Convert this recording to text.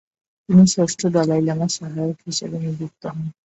তিনি ষষ্ঠ দলাই লামার সহায়ক হিসেবে নিযুক্ত হন।